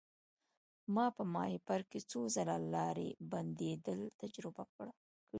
ما په ماهیپر کې څو ځله لارې بندیدل تجربه کړي.